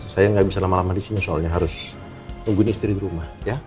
saya nggak bisa lama lama disini soalnya harus tungguin istri di rumah ya